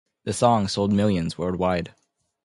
The song sold millions worldwide.